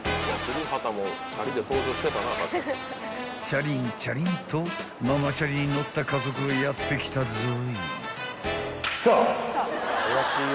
［チャリンチャリンとママチャリに乗った家族がやって来たぞい］